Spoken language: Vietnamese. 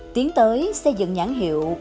tiến tới xây dựng nhãn hiệu